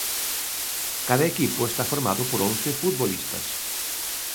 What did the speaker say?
Cada equipo está formado por once futbolistas.